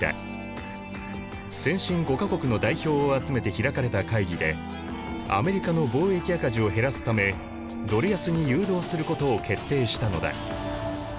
先進５か国の代表を集めて開かれた会議でアメリカの貿易赤字を減らすためドル安に誘導することを決定したのだ。